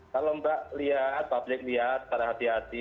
kalau mbak lihat publik lihat berhati hati